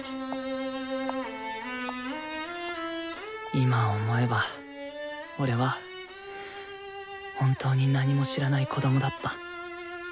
今思えば俺は本当に何も知らない子供だった。